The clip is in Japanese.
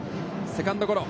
セカンドゴロ。